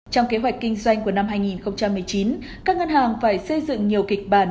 trong kế hoạch kinh doanh của năm hai nghìn một mươi chín các ngân hàng phải xây dựng nhiều kịch bản